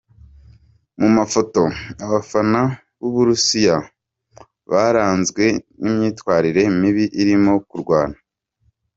Mu mafoto: Abafana b’u Burusiya baranzwe n’imyitwarire mibi irimo kurwana.